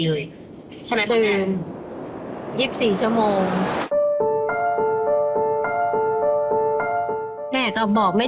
คุณพ่อคือแบบเสี่ยสูญเลยเสียอาการเลย